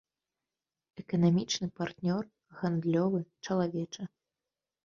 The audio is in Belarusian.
Эканамічны партнёр, гандлёвы, чалавечы.